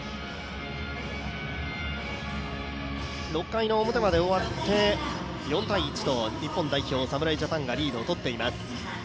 ６回の表まで終わって４−１と日本代表、侍ジャパンがリードを取っています。